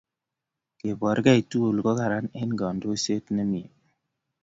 kepoor kei tugul ko Karan eng kandoishet ne mie